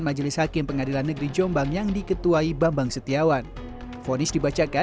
majelis hakim pengadilan negeri jombang yang diketuai bambang setiawan fonis dibacakan